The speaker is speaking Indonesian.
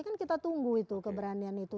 kan kita tunggu itu keberanian itu